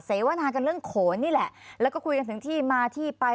เสวนากันเรื่องโขนนี่แหละแล้วก็คุยกันถึงที่มาที่ไป